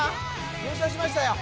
優勝しましたよ